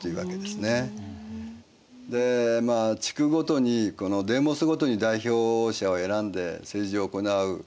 地区ごとにデーモスごとに代表者を選んで政治を行うシステム